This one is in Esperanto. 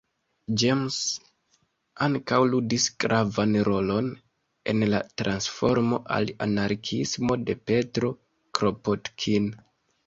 James ankaŭ ludis gravan rolon en la transformo al anarkiismo de Petro Kropotkin.